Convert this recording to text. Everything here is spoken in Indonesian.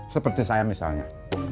seperti saya misalnya